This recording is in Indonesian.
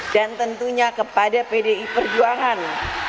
dan tentunya kepada pdi perjuangan